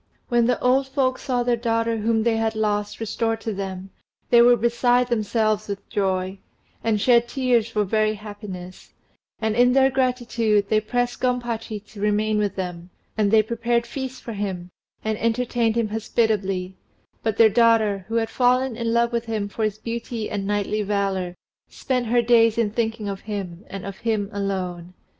When the old folks saw their daughter whom they had lost restored to them, they were beside themselves with joy, and shed tears for very happiness; and, in their gratitude, they pressed Gompachi to remain with them, and they prepared feasts for him, and entertained him hospitably: but their daughter, who had fallen in love with him for his beauty and knightly valour, spent her days in thinking of him, and of him alone.